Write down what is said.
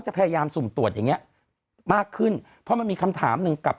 พยายามสุ่มตรวจอย่างเงี้ยมากขึ้นเพราะมันมีคำถามหนึ่งกับ